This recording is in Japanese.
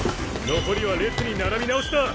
残りは列に並び直しだ。